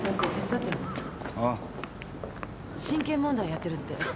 親権問題やってるって？